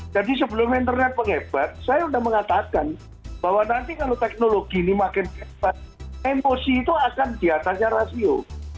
jadi sebelum internet pengebat saya sudah mengatakan bahwa nanti kalau teknologi ini makin kembali emosi itu akan diatasnya rasio